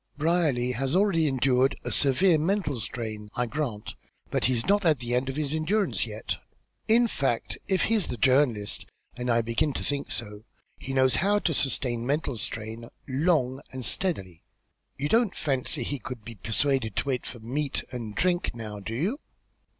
Brierly has already endured a severe mental strain, I grant, but he's not at the end of his endurance yet. In fact, if he's the journalist, and I begin to think so, he knows how to sustain mental strain long and steadily. You don't fancy he could be persuaded to wait for meat and drink now, do you?"